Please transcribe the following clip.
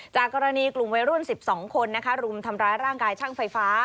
จากกรณีกลุ่มวัยรุ่น๑๒คนรุมทำร้ายร่างกายช่างไฟฟ้า